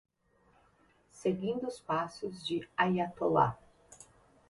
Seguindo os passos do Aiatolá